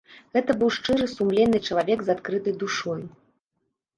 Гэта быў шчыры, сумленны чалавек з адкрытай душой.